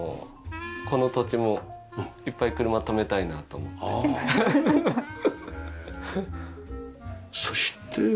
この土地もいっぱい車止めたいなと思って。